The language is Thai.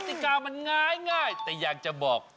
ติกามันง่ายแต่อยากจะบอก